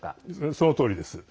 そのとおりです。